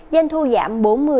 doanh thu giảm bốn mươi sáu mươi